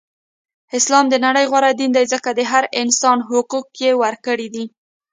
اسلام د نړی غوره دین دی ځکه د هر انسان حقوق یی ورکړی دی.